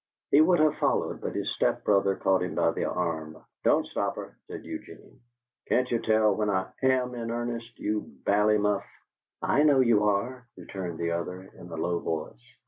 He would have followed, but his step brother caught him by the arm. "Don't stop her," said Eugene. "Can't you tell when I AM in earnest, you bally muff!" "I know you are," returned the other, in a low voice.